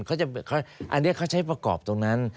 อันนี้เขาใช้ประกอบตรงนั้น